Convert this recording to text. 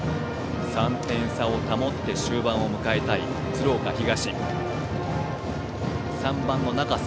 ３点差を保って終盤を迎えたい鶴岡東。